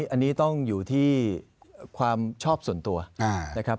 อันนี้ต้องอยู่ที่ความชอบส่วนตัวนะครับ